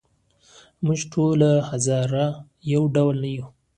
موږ ټول هزاره یو ډول نه یوو.